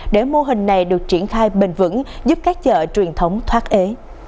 để mô hình này được triển khai bền vững giúp các chợ truyền thống thoát ế